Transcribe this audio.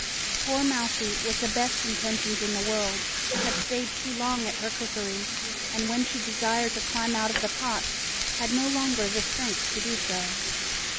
Poor mousie, with the best intentions in the world, had stayed too long at her cookery, and when she desired to climb out of the pot, had no longer the strength to do so.